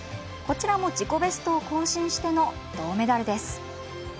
こちらも、自己ベストを更新しての銅メダルです。